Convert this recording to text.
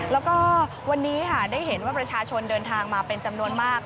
แล้วก็วันนี้ค่ะได้เห็นว่าประชาชนเดินทางมาเป็นจำนวนมาก